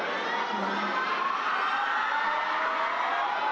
สวัสดีครับ